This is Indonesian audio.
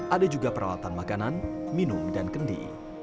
ada juga peralatan makanan minum dan kendi